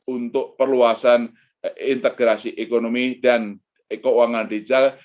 untuk perluasan integrasi ekonomi dan keuangan digital